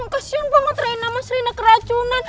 kasian banget raina mas rina keracunan